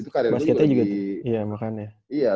itu karir gue juga lagi iya makanya